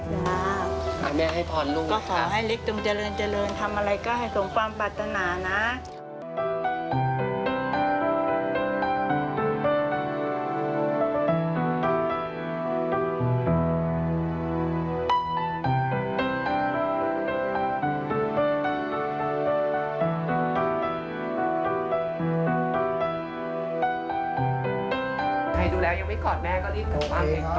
ยังไงครับ